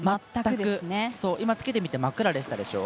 今、着けてみて真っ暗でしたでしょ。